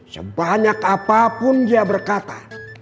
sebanyak apapun dia berkata